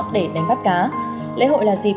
để đánh bắt cá lễ hội là dịp